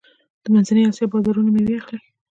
د منځنۍ اسیا بازارونه میوې اخلي.